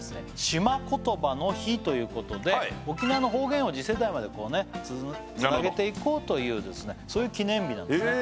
島言葉の日ということで沖縄の方言を次世代までつなげていこうというそういう記念日なんですね